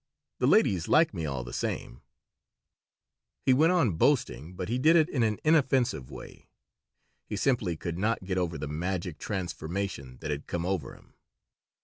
The ladies like me all the same He went on boasting, but he did it in an inoffensive way. He simply could not get over the magic transformation that had come over him.